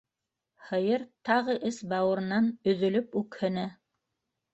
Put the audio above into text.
Һыйыр тағы эс-бауырынан өҙөлөп үкһене...